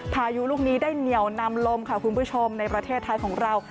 พายุลูกนี้ได้เหนียวนำลมค่ะคุณผู้ชมในประเทศไทยของเรา